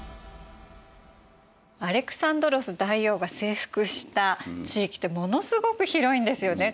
アレクサンドロス大王が征服した地域ってものすごく広いんですよね。